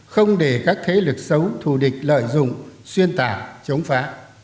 không để các thế lực xấu thù địch lợi dụng xuyên tạc chống phá